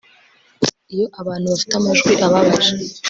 iyo abantu bafite amajwi ababaje